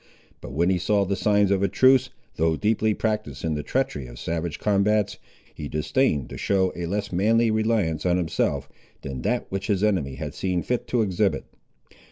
But when he saw the signs of a truce, though deeply practised in the treachery of savage combats, he disdained to show a less manly reliance on himself, than that which his enemy had seen fit to exhibit.